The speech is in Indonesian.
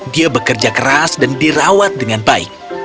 dia bekerja keras dan dirawat dengan baik